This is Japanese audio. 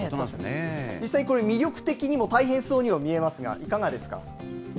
実際、魅力的にも大変そうにも見えますが、いかがですか。